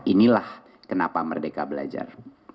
inilah kenapa merdeka belajar